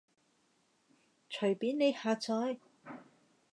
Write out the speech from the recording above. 隨便你下載